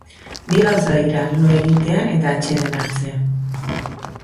Bi gauza dira lo egitea eta atseden hartzea.